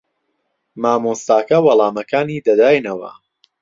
مامۆستاکە وەڵامەکانی دەداینەوە.